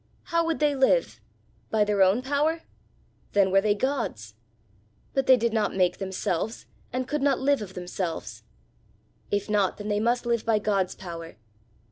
"How would they live? By their own power? Then were they gods! But they did not make themselves, and could not live of themselves. If not, then they must live by God's power.